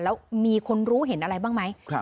แล้วมีคนรู้เห็นอะไรบ้างไหม